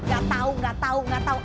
gak tau gak tau gak tau